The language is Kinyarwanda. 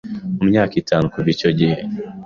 mu myaka itanu kuva icyo gihe